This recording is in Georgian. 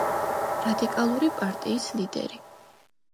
რადიკალური პარტიის ლიდერი.